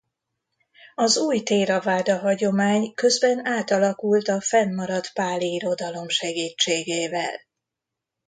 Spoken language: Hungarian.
Az új théraváda hagyomány közben átalakult a fennmaradt páli irodalom segítségével.